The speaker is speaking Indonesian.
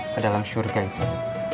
ke dalam surga itu